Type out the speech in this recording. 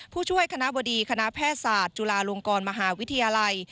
ผู้ช่วยคณะบดีคณะแพทยศาสตร์จุฬาลงกรมหาวิทยาลัย